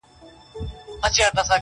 گيله د دوسته کېږي.